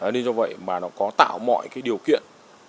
nên do vậy mà nó có tạo mọi cái điều kiện